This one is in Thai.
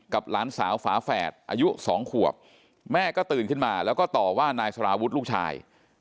หลานสาวฝาแฝดอายุ๒ขวบแม่ก็ตื่นขึ้นมาแล้วก็ต่อว่านายสารวุฒิลูกชาย